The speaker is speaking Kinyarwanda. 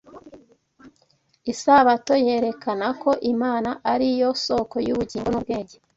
Isabato yerekana ko Imana ari yo soko y’ubugingo n’ubwenge